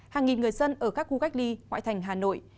hàng nghìn người dân ở các khu cách ly ngoại thành hà nội